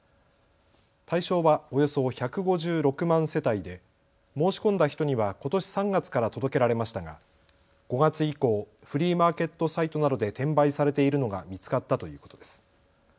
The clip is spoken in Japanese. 対象はおよそ１５６万世帯で申し込んだ人にはことし３月から届けられましたが５月以降、フリーマーケットサイトなどで転売されているのが見つかったということです。